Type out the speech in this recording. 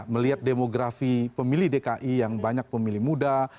melihat demografi pemilih dki yang banyak pemilih muda